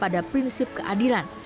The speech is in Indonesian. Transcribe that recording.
pada prinsip keadilan